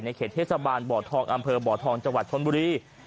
เขตเทศบาลบ่อทองอำเภอบ่อทองจังหวัดชนบุรี